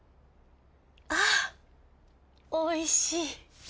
あおいしい。